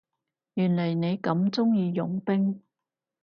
原來你咁鍾意傭兵